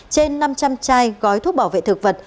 trên năm trăm linh chai gói thuốc bảo vệ thực vật